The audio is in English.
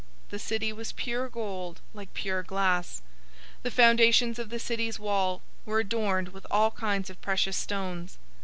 The city was pure gold, like pure glass. 021:019 The foundations of the city's wall were adorned with all kinds of precious stones.